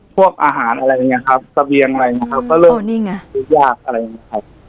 พวกอาหารอะไรอย่างนี้ครับเสบียงอะไรอย่างนี้ครับก็เริ่มโอ้นี่ไงดูยากอะไรอย่างเงี้ยครับ